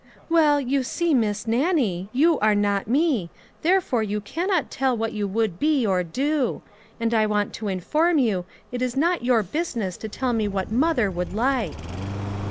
311 "Well, you see Miss Nanie, you are not me, therefore you cannot tell what you would be, or do ; and I want to inform you it is not your business to tell me what mother would like."